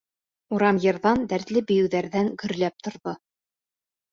Урам йырҙан, дәртле бейеүҙәрҙән гөрләп торҙо.